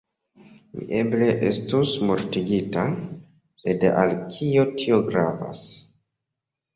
Mi eble estus mortigita, sed al kio tio gravas.